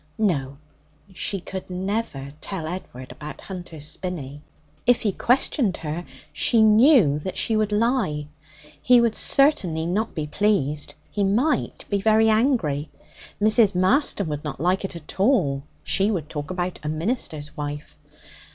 'No, she could never tell Edward about Hunter's Spinney. If he questioned her, she knew that she would lie. He would certainly not be pleased. He might be very angry. Mrs. Marston would not like it at all; she would talk about a minister's wife.